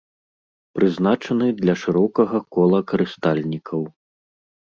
Прызначаны для шырокага кола карыстальнікаў.